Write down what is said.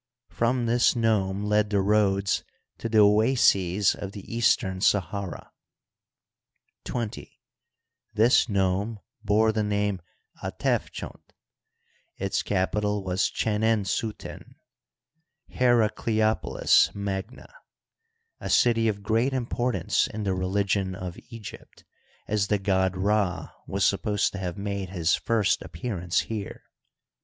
From this nome led the roads to the oases of the eastern Sahara. XX. This nome bore the name Atefchont, Its capital was Digitized by CjOOQIC 12 HISTORY OF EGYPT. Chenensuten i^Heracleopolts magna), a city of g^eat im portance in the religion of Egypt, as the god Rd was supposed to have made his first appearance here.